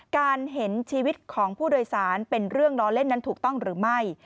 เห็นชีวิตของผู้โดยสารเป็นเรื่องล้อเล่นนั้นถูกต้องหรือไม่